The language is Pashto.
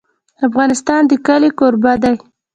افغانستان د کلي کوربه دی.